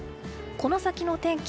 この先の天気